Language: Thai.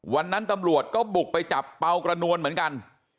วันนั้นตำรวจก็บุกไปจับเปล่ากระนวลเหมือนกัน